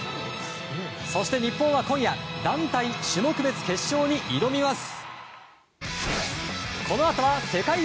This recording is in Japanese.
そして日本は今夜団体種目別決勝に挑みます。